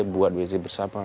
buat wc bersama